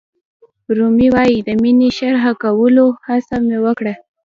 رومي وایي د مینې شرحه کولو هڅه مې وکړه.